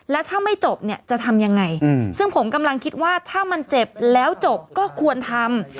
แล้วถ้าไม่จบเนี่ยจะทำยังไงซึ่งผมกำลังคิดว่าถ้ามันเจ็บแล้วจบก็ควรทำ